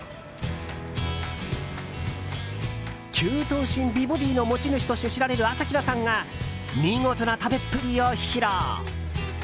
９頭身美ボディーの持ち主として知られる朝比奈さんが見事な食べっぷりを披露。